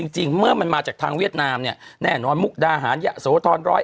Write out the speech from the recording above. จริงเมื่อมันมาจากทางเวียดนามเนี่ยแน่นอนมุกดาหารยะโสธร๑๐